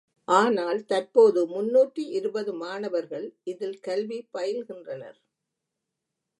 ஆனால் தற்போது முன்னூற்று இருபது மாணவர்கள் இதில் கல்வி பயில்கின்றனர்.